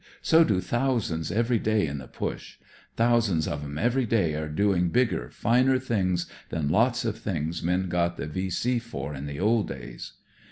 So do thousands every day in this Push. Thousands of 'em every day are doing bigger, finer things than lots of things men got the V.C. for in the old days."